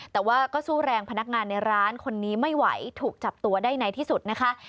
แต่ว่าก็สู้แรงพนักงานในร้านคนนี้ไม่ไหวถูกจับตัวได้ในที่สุดนะคะ